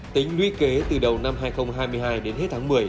tính luy kế từ đầu năm hai nghìn hai mươi hai đến hết tháng một mươi